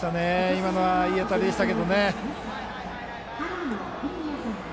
今のはいい当たりでしたけどね。